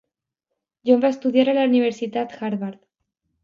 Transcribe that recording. John va estudiar a la Universitat Harvard.